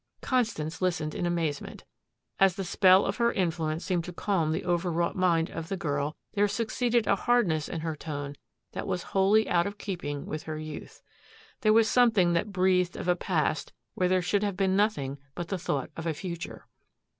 Constance listened in amazement. As the spell of her influence seemed to calm the overwrought mind of the girl there succeeded a hardness in her tone that was wholly out of keeping with her youth. There was something that breathed of a past where there should have been nothing but the thought of a future.